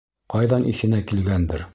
Ҡайҙан иҫенә килгәндер.